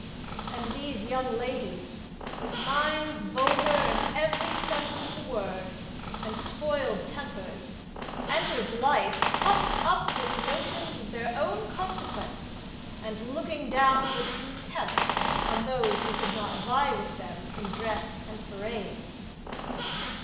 And these young ladies, with minds vulgar in every sense of the word, and spoiled tempers, entered life puffed up with notions of their own consequence, and looking down with contempt on those who could not vie with them in dress and parade.